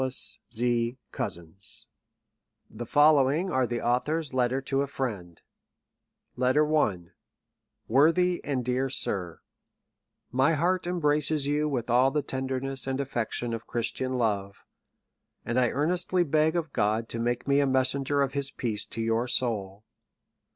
• Your's, &c. Yj. Cozens. b3 XXll SOME ACCOUNT OF The following are the Author's Letters to a friend :— LETTER L Worthy and dear Sir, My heart embraces you with all the tenderness and affection of Christian love ; and 1 earnestly beg of God to make me a messenger of his peace to your soul.